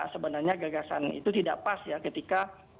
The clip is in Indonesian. sebenarnya gagasan itu tidak pas ya ketika